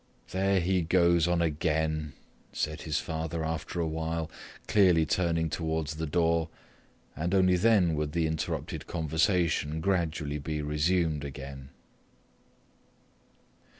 "There he goes on again," said his father after a while, clearly turning towards the door, and only then would the interrupted conversation gradually be resumed again.